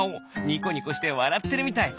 ニコニコしてわらってるみたい。